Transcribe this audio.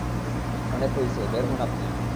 অনেক হইসে, বের হন আপনি।